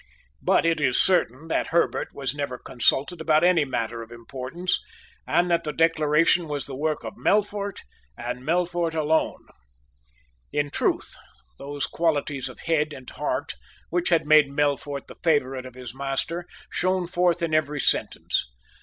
But it is certain that Herbert was never consulted about any matter of importance, and that the Declaration was the work of Melfort and of Melfort alone. In truth, those qualities of head and heart which had made Melfort the favourite of his master shone forth in every sentence.